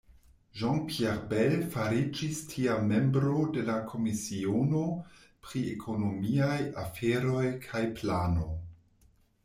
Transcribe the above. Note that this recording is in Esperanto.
Jean-Pierre Bel fariĝis tiam membro de la komisiono pri ekonomiaj aferoj kaj plano.